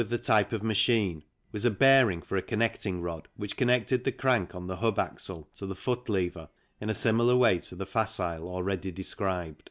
the type of machine, was a bearing for a con necting rod which connected the crank on the hub axle to the foot lever, in a similar way to the Facile already described.